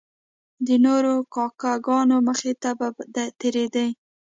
د نورو کاکه ګانو مخې ته به تیریدی.